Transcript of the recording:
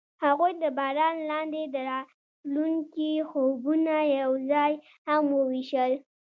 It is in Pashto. هغوی د باران لاندې د راتلونکي خوبونه یوځای هم وویشل.